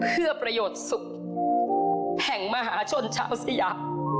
เพื่อประโยชน์สุขแห่งมหาชนชาวสยาม